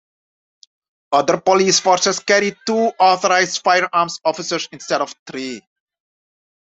Other police forces carry two Authorised Firearms Officers instead of three.